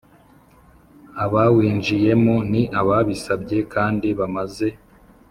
Abawinjiyemo ni ababisabye kandi bamaze